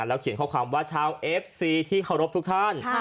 เขียนข้อความว่าชาวเอฟซีที่เคารพทุกท่าน